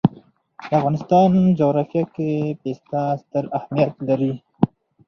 د افغانستان جغرافیه کې پسه ستر اهمیت لري.